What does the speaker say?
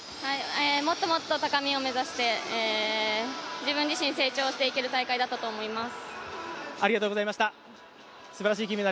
もっともっと高みを目指して自分自身成長していける大会だったと思います。